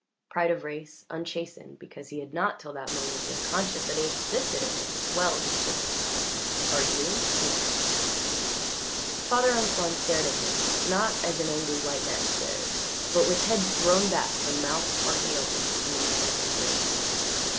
Pride of race, unchastened because he had not till that moment been conscious that it existed in him, swelled in Simpson. "Are you?" he asked. Father Antoine stared at him, not as an angry white man stares, but with head thrown back and mouth partly open, in the manner of his race.